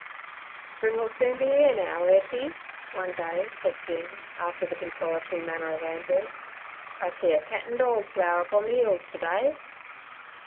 'Spring 'll soon be 'ere now, Ursie' one day said Jim, after the consolatory manner of Andrew. 'I see a cat an' dorg flower upon the 'ills to day.'